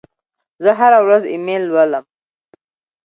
زه هره ورځ ایمیل لولم.